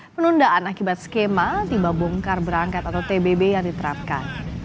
penundaan akibat skema tiba bongkar berangkat atau tbb yang diterapkan